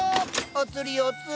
お釣りお釣り。